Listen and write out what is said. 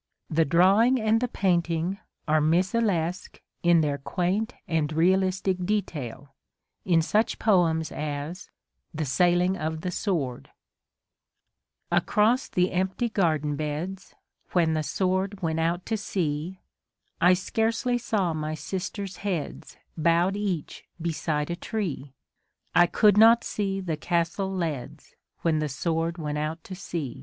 The drawing and the painting are missalesque in their quaint and realistic detail, in such poems as The Sailing of the Sword, — Across the empty garden beds, When the Sword went out to sea, I scarcely saw my sisters* heads Bowed each beside a tree. I could not see the castle leads, When the Sword went out to sea.